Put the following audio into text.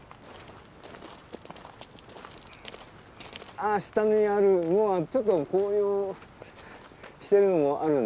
あ下にあるのはちょっと紅葉してるのもあるんで。